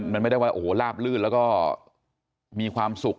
มันไม่ได้ว่าโอ้โหลาบลื่นแล้วก็มีความสุข